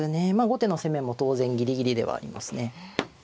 後手の攻めも当然ぎりぎりではありますね。